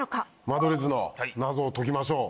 間取り図の謎を解きましょう！